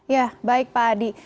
ya baik pak adi